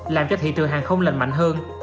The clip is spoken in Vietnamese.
làm cho thị trường hàng không lạnh mạnh hơn